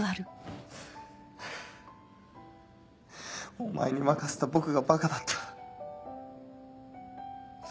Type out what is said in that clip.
お前に任せた僕がバカだった。